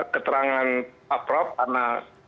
keterangan pak prof karena